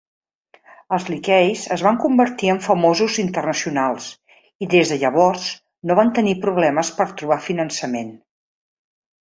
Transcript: Els Leakeys es van convertir en famosos internacionals i, des de llavors, no van tenir problemes per trobar finançament.